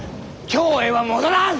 京へは戻らぬ！